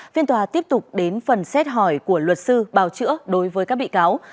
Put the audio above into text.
phiên tòa tiếp tục đến phần xét hỏi của luật sư bào chữa đối với các bị cáo